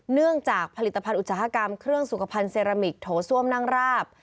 เนื่องจากผลิตภัณฑ์อุตสาหกรรมเครื่องสุขภัณฑ์เซรามิกโถส้วมนั่งราบ